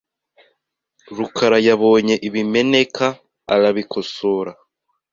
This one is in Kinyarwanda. rukara yabonye ibimeneka arabikosora .